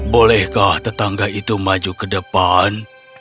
bolehkah tetangga itu maju ke depan